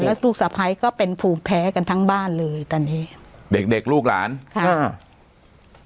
แล้วลูกสะพ้ายก็เป็นภูมิแพ้กันทั้งบ้านเลยตอนนี้เด็กเด็กลูกหลานค่ะอ่า